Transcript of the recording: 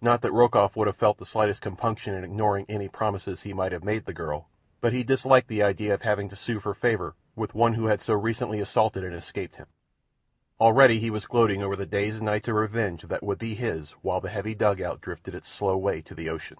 Not that Rokoff would have felt the slightest compunction in ignoring any promises he might have made the girl, but he disliked the idea of having to sue for favour with one who had so recently assaulted and escaped him. Already he was gloating over the days and nights of revenge that would be his while the heavy dugout drifted its slow way to the ocean.